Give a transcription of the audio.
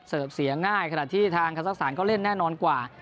เสิร์ฟเสียง่ายขนาดที่ทางคาซักสถานก็เล่นแน่นอนกว่า